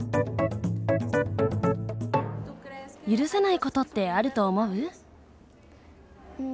許せないことってあると思う？